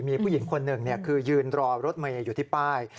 มีผู้หญิงคนหนึ่งคือยืนรอรถเมย์อยู่ที่ป้าย